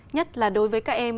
nhất là đối với các em